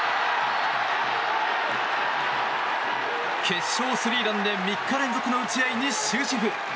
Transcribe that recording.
決勝スリーランで３日連続の打ち合いに終止符。